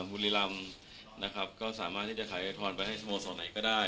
บุรีรำนะครับก็สามารถที่จะขายไอทอนไปให้สโมสรไหนก็ได้